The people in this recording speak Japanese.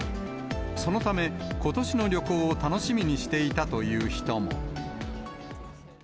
そのため、ことしの旅行を楽しみにしていたという人も。